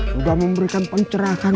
sudah memberikan pencerahan